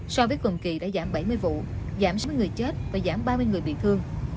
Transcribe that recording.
so với cùng kỳ đã giảm bảy mươi vụ giảm số người chết và giảm ba mươi người bị thương